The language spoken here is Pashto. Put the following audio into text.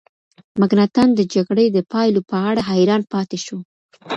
مکناتن د جګړې د پایلو په اړه حیران پاتې شو.